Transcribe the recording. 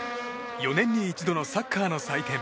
４年に一度のサッカーの祭典。